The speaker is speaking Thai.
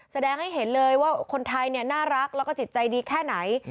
แสดงให้เห็นเลยว่าคนไทยน่ารักแล้วก็จิตใจดีแค่ไหน